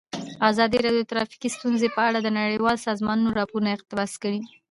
ازادي راډیو د ټرافیکي ستونزې په اړه د نړیوالو سازمانونو راپورونه اقتباس کړي.